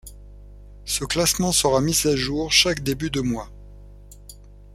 Ce classement sera mis à jour chaque début de mois.